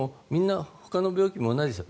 ほかの病気も同じですよ。